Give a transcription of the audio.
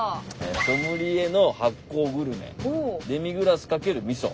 「ソムリエの発酵グルメデミグラス×みそ」。